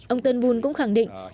ông turnbull cũng khẳng định